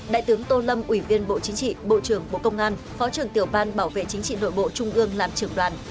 đại tướng tô lâm ủy viên bộ chính trị bộ trưởng bộ công an phó trưởng tiểu ban bảo vệ chính trị nội bộ trung ương làm trưởng đoàn